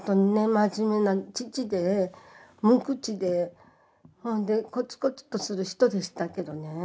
真面目な父で無口でほんでこつこつとする人でしたけどね